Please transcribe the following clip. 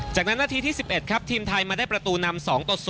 จากนั้นนาทีที่๑๑ครับทีมไทยมาได้ประตูนำ๒ต่อ๐